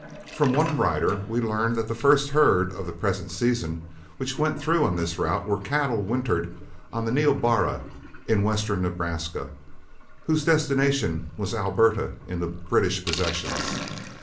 From one rider we learned that the first herd of the present season which went through on this route were cattle wintered on the Niobrara in western Nebraska, whose destination was Alberta in the British possessions.